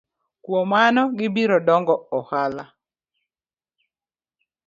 Kuom mano gibiro dongo ohala.